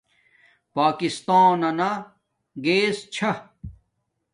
پاکستانانا گیس چھا